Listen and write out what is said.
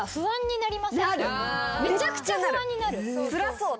めちゃくちゃ不安になる。